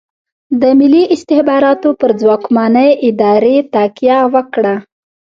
د ملي استخباراتو پر ځواکمنې ادارې تکیه وکړه.